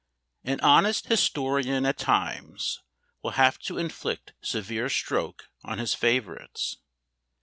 An honest historian at times will have to inflict severe stroke on his favourites.